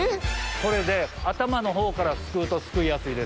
これで頭のほうからすくうとすくいやすいです。